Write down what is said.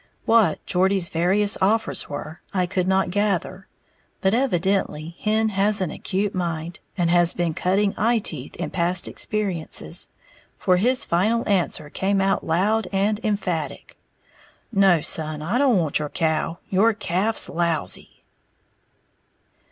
What Geordie's various offers were I could not gather; but, evidently, Hen has an acute mind, and has been cutting eye teeth in past experiences; for his final answer came out loud and emphatic, "No, son, I don't want your cow, your calf's lousy!"